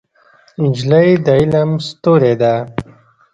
نجلۍ د علم ستورې ده.